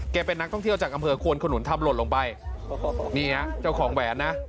เป็นนักท่องเที่ยวจากอำเภอควนขนุนทำหล่นลงไปนี่ฮะเจ้าของแหวนนะ